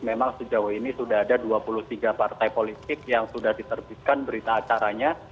memang sejauh ini sudah ada dua puluh tiga partai politik yang sudah diterbitkan berita acaranya